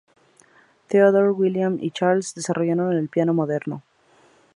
Theodore, William y Charles, desarrollaron el piano moderno.